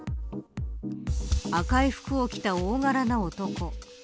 赤い服を着た大柄な男。